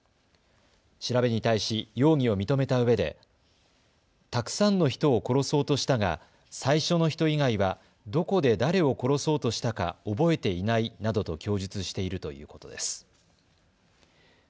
調べに対し容疑を認めたうえでたくさんの人を殺そうとしたが最初の人以外は、どこで誰を殺そうとしたか覚えていないなどと供述しているということです。